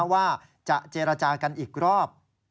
ว่าจะเจรจากันอีกรอบ